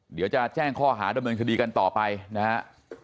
เดี๋ยวจะแจ้งข้อหาดำเนินคดีกันต่อไปนะฮะ